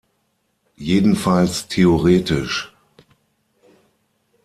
Jedenfalls theoretisch.